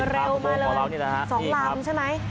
เรือเร็วมาเลย๒ลำใช่ไหม